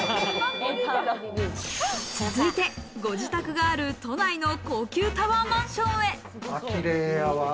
続いて、ご自宅がある都内の高級タワーマンションへ。